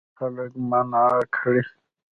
خلک منع نه کړې.